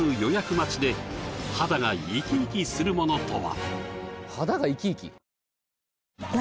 待ちで肌がイキイキするものとは？